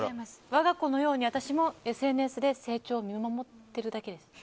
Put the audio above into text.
我が子のように私もＳＮＳで成長を見守っているだけです。